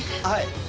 はい。